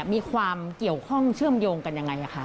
มีความเกี่ยวข้องเชื่อมโยงกันยังไงคะ